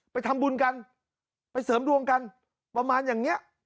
ไปทำบุญกันไปเสริมดวงกันประมาณอย่างเนี้ย